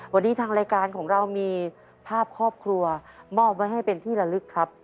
วันนี้ทางรายการของเรามีภาพครอบครัวมอบไว้ให้เป็นที่ละลึกครับ